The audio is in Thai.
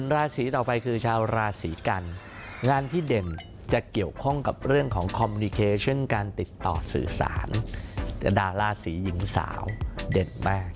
ราศีต่อไปคือชาวราศีกันงานที่เด่นจะเกี่ยวข้องกับเรื่องของคอมมิเคเช่นการติดต่อสื่อสารดาราศีหญิงสาวเด็ดมาก